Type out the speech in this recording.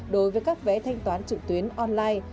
đối với các vé thanh toán trực tuyến online